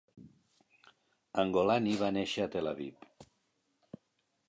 En Golani va néixer a Tel Aviv.